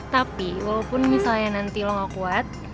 tapi walaupun misalnya nanti lo gak kuat